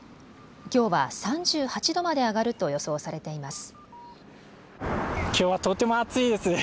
きょうは３８度まで上がると予想されています。